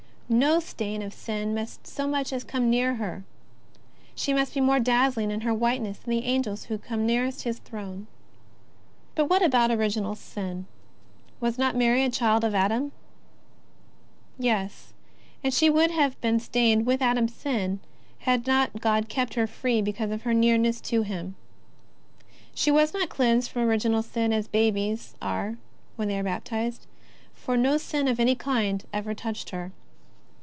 No stain of sin must so much as come near her. She must be more dazzling in her whiteness than the Angels who come nearest His throne. But what about original sin? was not Mary a child of Adam ? Yes ; and she would have been stained with Adam's sin had not God kept her free because of her nearness to Himself. She was not cleansed from origi nal sin as babies are when they have been baptized, for no sin of any kind ever touched her.